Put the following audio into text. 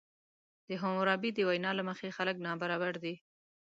د حموربي د وینا له مخې خلک نابرابر دي.